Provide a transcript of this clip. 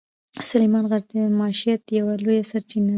سلیمان غر د معیشت یوه لویه سرچینه ده.